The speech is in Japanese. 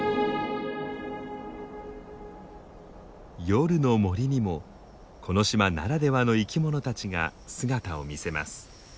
夜の森にもこの島ならではの生き物たちが姿を見せます。